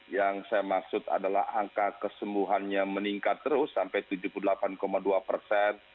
yang saya maksud adalah angka kesembuhannya meningkat terus sampai tujuh puluh delapan dua persen